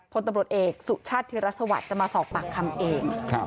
พลตำรวจเอกสุชาติธิรสวัสดิ์จะมาสอบปากคำเอง